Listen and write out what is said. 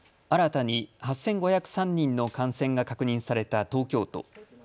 新たに８５０３人の感染が確認された東京都。